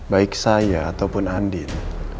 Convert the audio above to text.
baik saya ataupun andin